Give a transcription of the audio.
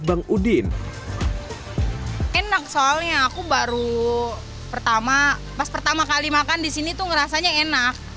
bang udin enak soalnya aku baru pertama pas pertama kali makan di sini tuh ngerasanya enak